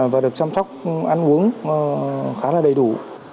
và được chăm sóc ăn uống khá là đầy đủ